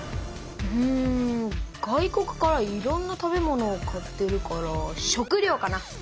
うん外国からいろんな食べ物を買ってるから食料かな。